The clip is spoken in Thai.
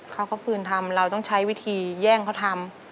เขาก็ปืนทำเราต้องใช้วิธีแย่งเขาทำ